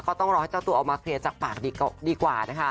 ต้องรอให้เจ้าตัวออกมาเคลียร์จากปากดีกว่านะคะ